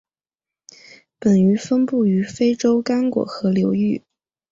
本鱼分布于非洲刚果河流域。